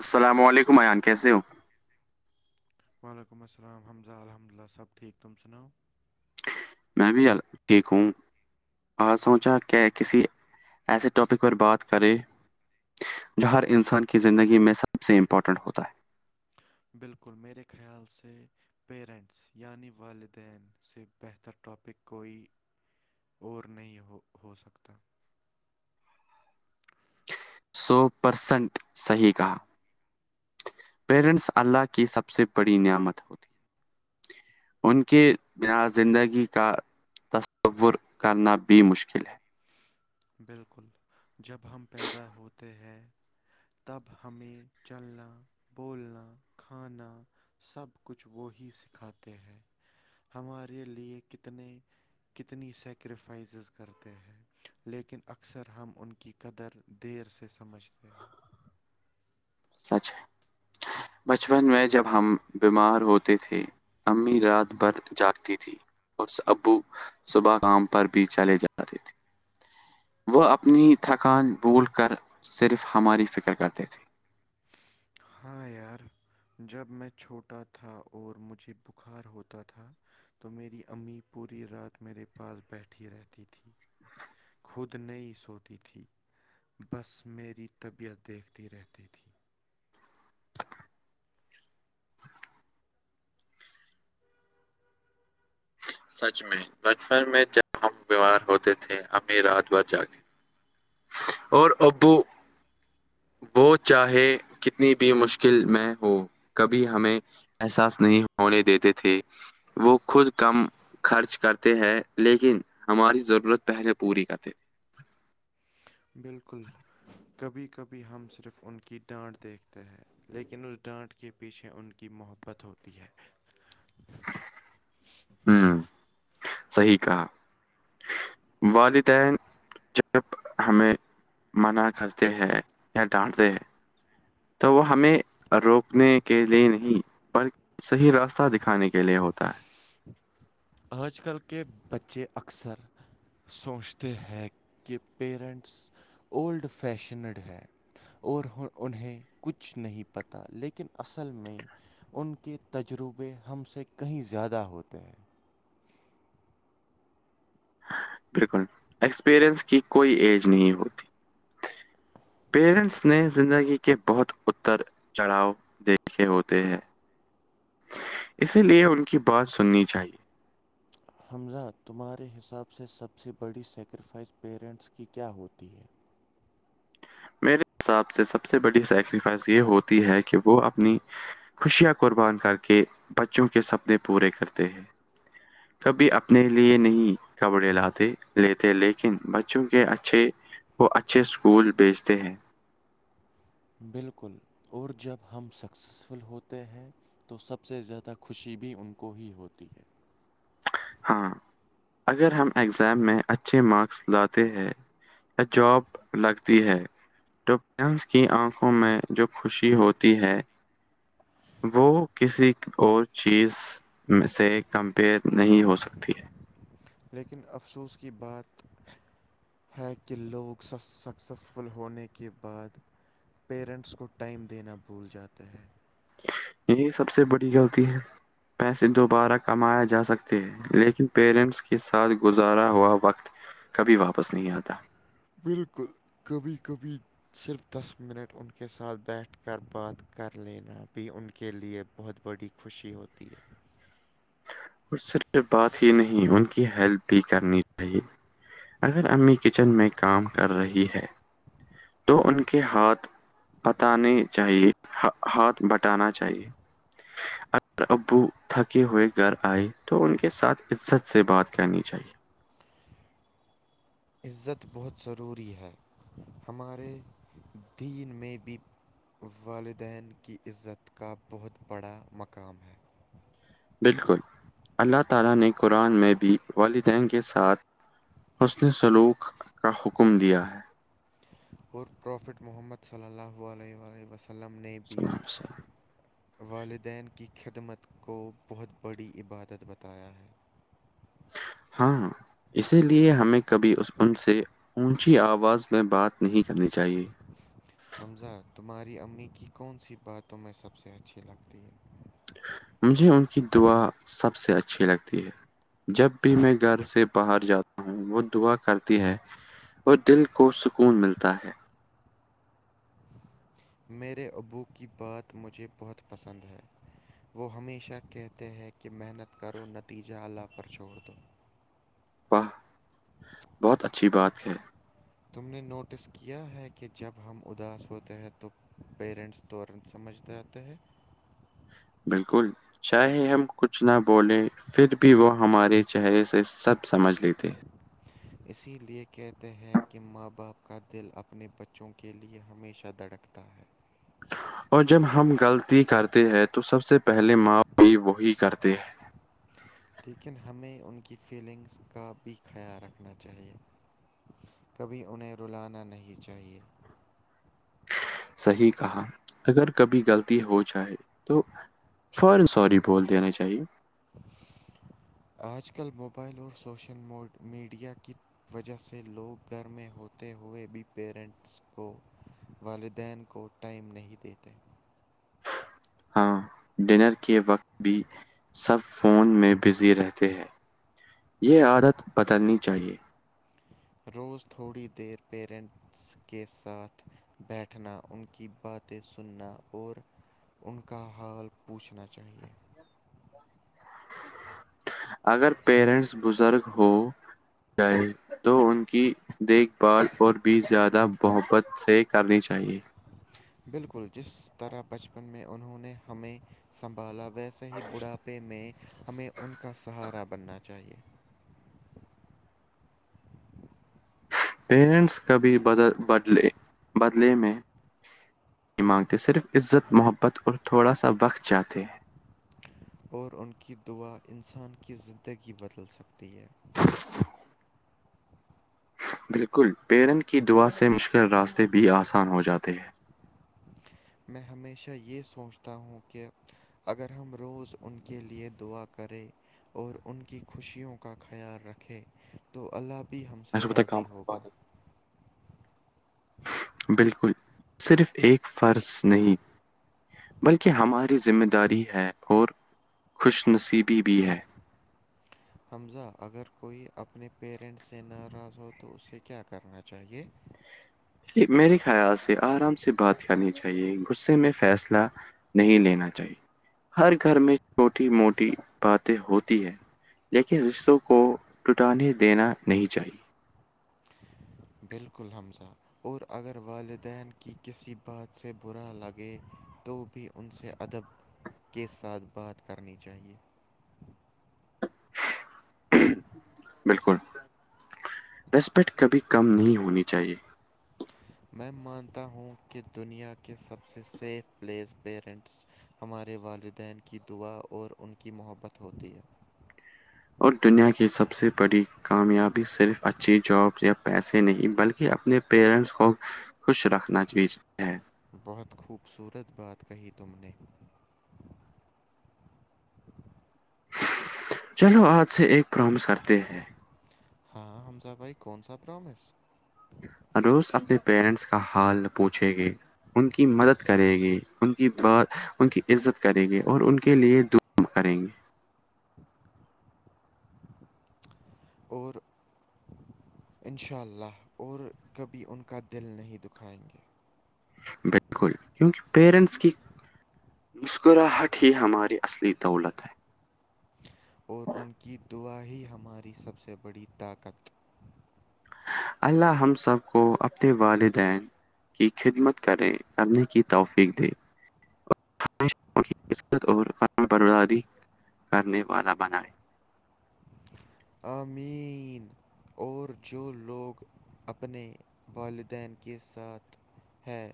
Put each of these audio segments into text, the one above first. السلام علیکم ایان کیسے ہو وعلیکم السل ححمدہ الحمد اللہ سب ٹھیک تم سناؤ میں بھی ٹھیک ہوں آ سوچا کہ کسی ایسے ٹاپک پر بات کرے جو ہر انسان کی زندگی میں سب سے امپورٹنٹ ہوتا ہے بالکل میرے خیال سے پرینٹس یعنی والدین سے بہتر ٹاپک کوئی اور نہیں ہو ہو سکتا سو پرسنٹ صحیح کہا پیرنٹس اللہ کی سب سے بڑی نعمت ہوتی ان کے بنا زندگی کا تصور کرنا بھی مشکل ہے بالکل جب ہم پیدا ہوتے ہیں تب ہمیں چلنا بولنا کھانا سب کچھ وہی سکھاتے ہیں ہمارے لیے کتنے کتنی سیکریفائسیز کرتے ہیں لیکن اکثر ہم ان کی قدر دیر سے سمجھتے ہیں سچ ہے بچپن میں جب ہم بیمار ہوتے تھے امی رات بھر جاگتی تھی اور ابو صبح کام پر بھی چلے جاتے تھے وہ اپنی تھکان بھول کر صرف ہماری فکر کرتے تھے ہاں یار جب میں چھوٹا تھا اور مجھے بخار ہوتا تھا تو میری امی پوری رات میرے پاس بیٹھی رہتی تھی خود نہیں سوتی تھی بس میری طبیعت دیکھتی رہتی تھی سچ میں بچپن میں جب ہم بیوار ہوتے تھے اب میں رات بات جاگتی تھی اور ابو وہ چاہے کتنی بھی مشکل میں ہو کبھی ہمیں احساس نہیں ہونے دیتے تھے وہ خود کم خرچ کرتے ہیں لیکن ہماری ضرورت پہلے پوری کا تھی بالکل کبھی کبھی ہم صرف ان کی ڈانٹ دیکھتے ہیں لیکن رٹارٹ کے پیچھے ان کی محبت ہوتی ہے [unintelligible] ہوں صی کہا والدین جب ہمیں منع کرتے ہیں یا ڈانٹتے ہیں تو وہ ہمیں روکنے کے لیے نہیں بلک صحیح راستہ دکھانے کے لیے ہوتا ہے آج کل کے بچے اکثر سوچتے ہیں کہ پیرنٹس اولڈ فیشنڈ ہیں اور انہیں کچھ نہیں پتہ لیکن اصل میں ان کے تجربے ہم سے کہیں زیادہ ہوتے ہیں بالکل ایکسپیرئنس کی کوئی ایج نہیں ہوتی پیرنٹس نے زندگی کے بہت اتر چڑھاؤ دیکھے ہوتے ہیں اسی لیے ان کی بات سننی چاہیے حمزہ تمہارے حساب سے سب سے بڑی سیکریفائز پیرنٹس کی کیا ہوتی ہے میرے حساب سے سب سے بڑی سیکریفائس یہ ہوتی ہے کہ وہ اپنی خوشیاں قربان کر کے بچوں کے سپنے پورے کرتے ہیں کبھی اپنے لیے نہیں کپڑے لاتے لیتے لیکن بچوں کے اچھے کو اچھے پھول بیچتے ہیں بالکل اور جب ہم سکسیزفل ہوتے ہیں تو سب سے زیادہ خوشی بھی ان کو ہی ہوتی ہے ہاں اگر ہم اگزام میں اچھے مارکس لاتے ہیں جااب لگتی ہے تو ڈنس کی آنکھوں میں جو خوشی ہوتی ہے وہ کسی اور چیز میں سے کمپیئر نہیں ہوتا سکتی ہے لیکن افسوس کی بات ہے کہ لوگ سکسیزفل ہونے کے بعد پیرنٹس کو ٹائم دینا بھول جاتا ہے یہی سب سے بڑی غلطی ہے پیسے دوبارہ کمایا جا سکتے ہیں لیکن پیرنٹس کے ساتھ گزارا ہوا وقت کبھی واپس نہیں آتا بالکل کبھی کبھی صرف دس منٹ ان کے ساتھ بیٹھ کر بات کر لینا بھی ان کے لیے بہت بڑی خوشی ہوتی ہے اور صرف بات ہی نہیں، ان کی ہیلپ بھی کرنی چاہیے اگر امی کچن میں کام کر رہی ہے تو ان کے ہاتھ بتانے چاہیے ہاتھ بٹانا چاہیے ابو تھکے ہوئے گھر آئے تو ان کے ساتھ عزت سے بات کرنی چاہیے عزت بہت ضروری ہے ہمارے دین میں بھی والدین کی عزت کا بہت بڑا مقام ہے بالکل اللہ تعالی نے قران میں بھی والدین کے ساتھ حسن سلوک کا حکم دیا ہے اور پروفٹ محمد صلی اللہ علل وسلم نے بھی سلام سلام والدین کی خدمت کو بہت بڑی عبادت بتایا ہے ہاں اسی لئے ہمیں کبھی ان سے اونچی آواز میں بات نہیں کرنی چاہیے حمزہ تمہاری امی کی کون سی باتوںیں سب سے اچھی لگتی ہے مجھے ان کی دعا سب سے اچھی لگتی ہے جب بھی میں گھر سے باہر جاتا ہوں وہ دعا کرتی ہے اور دل کو سکون ملتا ہے [unintelligible] میرے ابو کی بات مجھے بہت پسند ہے وہ ہمیشہ کہتے ہیں کہ محنت کرو نتیجہ اللہ پر چھوڑ دو واہ بہت اچھی بات ہے تم نے نوٹس کیا ہے کہ جب ہم اداس ہوتے ہیں تو پیرنٹس دورن سمجھتے آتے ہے بالکل چاہے ہم کچھ نہ بولیں پھر بھی وہ ہمارے چہرے سے سب سمجھ لیتے [inaudible] اسی لیے کہتے ہیں کہ ماں باپ کا دل اپنے بچوں کے لیے ہمیشہ دھڑکتا ہے اور جب ہم غلطی کرتے ہیں تو سب سے پہلے ماف بھی وہی کرتے ہیں لیکن ہمیں ان کی فیلنگس کا بھی خیال رکھنا چاہیے کبھی انہیں رلانا نہیں چاہیے صحیح کہا اگر کبھی غلطی ہو جائے تو فوری سوری بول دینا چاہیے آج کل موبائل اور سوشل میڈیا کی وجہ سے لوگ گھر میں ہوتے ہوئے بھی پییرنٹس کو والدین کو ٹائم نہیں دیتے ہاں ڈنر کے وقت بھی سب فون میں بزی رہتے ہیں یہ عادت بدلنی چاہیے روز تھوڑی دیر پیرینٹس کے ساتھ بیٹھنا ان کی باتیں سننا اور ان کا حال پوچھنا چاہیے اگر پیرنٹس بزرگ ہو جائے تو ان کی دیکھ بھال اور بھی زیادہ محبت سے کرنی چاہیے بالکل جس طرح بچپن میں انہوں نے ہمیں سنبھالا ویسے ص ہی بڑھاپے میں ہمیں ان کا سہارا بننا چاہیے پیرنٹس کا بھی بد بدلے بدلے میں نہیں مانگتے صرف عزت محبت اور تھوڑا سا وقت چاہتے ہیں اور ان کی دعا انسان کی زندگی بدل سکتی ہے بالکل پیرن کی دعا سے مشکل راستے بھی آسان ہو جاتے ہیں میں ہمیشہ یہ سوچتا ہوں کہ اگر ہم روز ان کے لیے دعا کریں اور ان کی خوشیوں کا خیال رکھے تو اللہ بھی ہم سے راضی ہوگا بالکل صرف ایک فرض نہیں بلکہ ہماری ذمہ داری ہے اور خوش نصیبی بھی ہے [inaudible] حمزہ اگر کوئی اپنے پیرنٹس سے ناراض ہو تو اسے کیا کرنا چاہیے میرے خیال سے آرام سے بات کرنی چاہیے غصے میں فیصلہ نہیں لینا چاہیے ہر گھر میں چھوٹی موٹی باتیں ہوتی ہے لیکن رشتوں کو ٹٹانے دینا نہیں چاہیے بالکل حمزہ اور اگر والدین کی کسی بات سے برا لگے تو بھی ان سے ادب کے ساتھ بات کرنی چاہیے [inaudible] بالکل ریسپیکٹ کبھی کم نہیں ہونی چاہیے میں مانتا ہوں کہ دنیا کے سب سے سیف پلیس پیرنٹس ہمارے والدین کی دعا اور ان کی محبت ہوتی ہے اور دنیا کی سب سے بڑی کامیابی صرف اچھی جاب یا پیسے نہیں بلکہ اپنے پیرنٹس کو خوش رکھنا چی ہے بہت خوبصورت بات کہی تم نے چلو آج سے ایک پرامس کرتے ہیں ہاں حمزا بھائی کون سا پرامس روز اپنے پیرنٹس کا حال پوچھیں گے ان کی مدد کرے گی ان کی ب ان کی عزت کرے گی اور ان کے لیے دو کریں گے اور ان شاء اللہ اور کبھی ان کا دل نہیں دکھائیں گے بالکل کیونکہ پیرنٹس کی مسکراہٹ ہی ہماری اصلی دولت ہے اور ان کی دعا ہی ہماری سب سے بڑی طاقت اللہ ہم سب کو اپنے والدین کی خدمت کریں کرنے کی توفیق دے ہمیش کیت اورم بردادی کرنے والا بنائے امین اور جو لوگ اپنے والدین کے ساتھ ہاں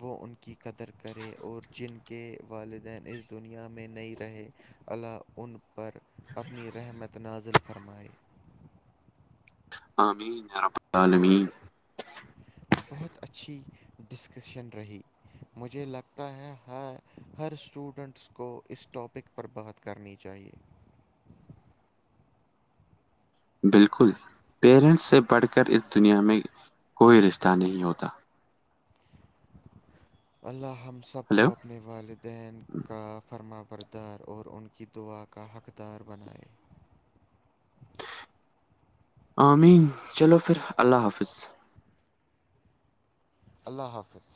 وہ ان کی قدر کرے اور جن کے والدین ا دنیا میں نہیں رہے علا ان پر اپنی رحمت نازل فرمائے پالمی بہت اچھی ڈسکشن رہی مجھے لگتا ہے ہر ہر اسٹوڈنٹس کو اس ٹاپک پر بات کرنی چاہیے بالکل پیرنٹس سے پڑھ کر اس دنیا میں کوئی رشتہ نہیں ہوتا اللہ ہم سب ہلو کو اپنے والدین کا فرما بردار اور ان کی دعا کا حقدار بنائے آمین چلو پھر اللہ حافظ اللہ حافظ